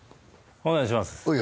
お願いします